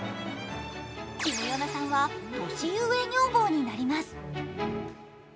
キム・ヨナさんは年上女房になります。